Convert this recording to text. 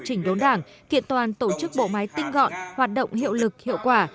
chỉnh đốn đảng kiện toàn tổ chức bộ máy tinh gọn hoạt động hiệu lực hiệu quả